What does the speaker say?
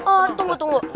oh tunggu tunggu